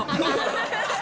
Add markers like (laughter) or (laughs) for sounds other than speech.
ハハハ (laughs)